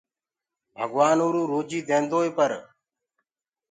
ڀگوآن اُروئو روجي ديديندوئي پر